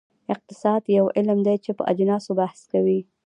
اقتصاد یو علم دی چې په اجناسو بحث کوي.